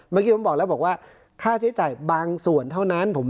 เมื่อกี้ผมบอกแล้วบอกว่าค่าใช้จ่ายบางส่วนเท่านั้น